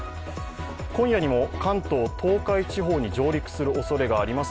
今夜にも関東・東海地方に上陸するおそれがあります